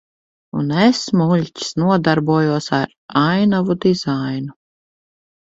Un es, muļķis, nodarbojos ar ainavu dizainu.